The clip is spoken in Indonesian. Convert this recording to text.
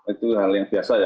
itu hal yang biasa ya